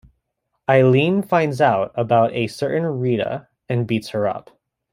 Aileen finds out about a certain Rita and beats her up.